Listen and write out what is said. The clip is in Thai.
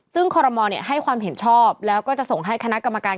ซึ่งขอรมณ์ให้ความเห็นชอบแล้วก็จะส่งให้คณะกรรมการการเลือกตั้ง